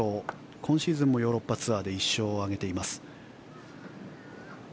今シーズンもヨーロッパツアーで１勝を挙げています。